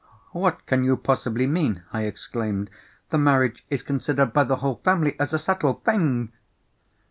"What can you possibly mean?" I exclaimed. "The marriage is considered by the whole family as a settled thing!"